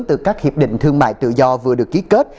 từ các hiệp định thương mại tự do vừa được ký kết